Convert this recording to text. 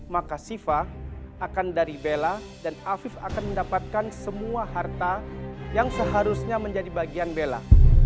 maka sifa akan dari bella dan afif akan mendapatkan semua harta yang seharusnya menjadi bagian bela